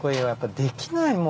できないもん。